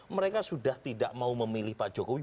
mereka sudah tidak mau memilih pak jokowi